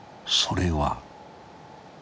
［それは］